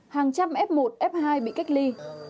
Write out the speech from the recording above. hàng trăm f một f hai bị cách ly